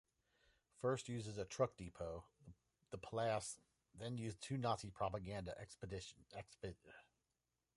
First used as a truck depot, the Palais then housed two Nazi propaganda exhibitions.